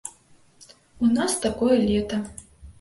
У нас такое лета.